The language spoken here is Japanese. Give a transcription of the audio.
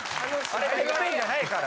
あれてっぺんじゃないから！